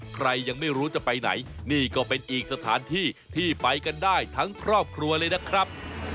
ใครยังไม่รู้จะไปไหนนี่ก็เป็นอีกสถานที่ที่ไปกันได้ทั้งครอบครัวเลยนะครับ